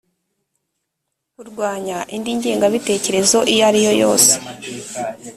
kurwanya indi ngengabitekerezo iyo ari yo yose